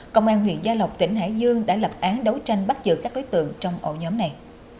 công an huyện gia lộc tỉnh hải dương đã lập án đấu tranh bắt giữ các đối tượng trong ổ nhóm này